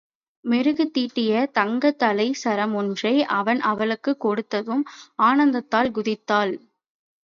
மெருகு தீட்டிய தங்கத் தலைச் சரம் ஒன்றை அவன் அவளுக்குக் கொடுத்ததும், ஆனந்தத்தால் குதித்தாள்.